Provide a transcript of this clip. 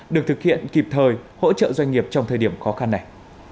được thực hiện kịp thời hỗ trợ doanh nghiệp trong thời điểm khó khăn này